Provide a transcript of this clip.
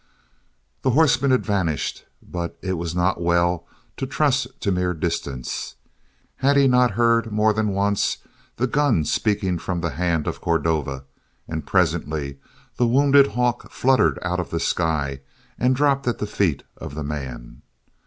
The horseman had vanished but it was not well to trust to mere distance. Had he not heard, more than once, the gun speaking from the hand of Cordova, and presently the wounded hawk fluttered out of the sky and dropped at the feet of the man?